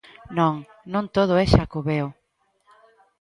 Non, non todo é Xacobeo.